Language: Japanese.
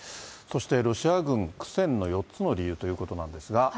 そしてロシア軍、苦戦の４つの理由ということなんですが。